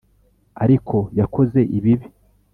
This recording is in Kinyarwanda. Ariko yakoze ibibi.